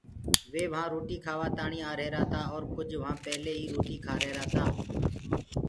وي وهآنٚ روٽي کآوآ تآڻي آهيرآ تآ اور ڪُج وهآنٚ پيلي ئي روٽي کآرهيرآ تآ۔